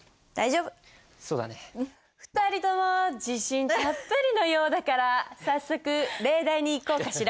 ２人とも自信たっぷりのようだから早速例題にいこうかしら。